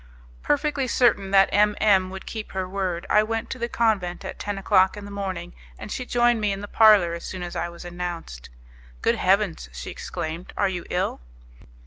Perfectly certain that M M would keep her word, I went to the convent at ten o'clock in the morning, and she joined me in the parlour as soon as I was announced. "Good heavens!" she exclaimed, "are you ill?"